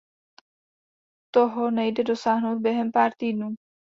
Toho nejde dosáhnout během pár týdnů.